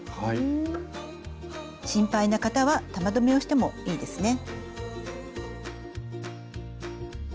心配な方は玉留めをしてもいいですね。